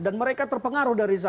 dan mereka terpengaruh dari sana